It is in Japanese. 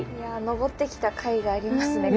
登ってきたかいがありますね。